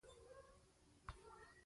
افغانستان له کندهار ډک دی.